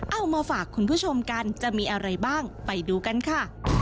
เอามาฝากคุณผู้ชมกันจะมีอะไรบ้างไปดูกันค่ะ